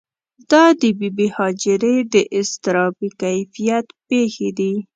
دا د بې بي هاجرې د اضطرابي کیفیت پېښې دي.